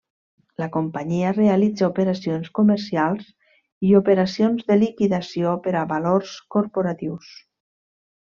La companyia realitza operacions comercials i operacions de liquidació per a valors corporatius.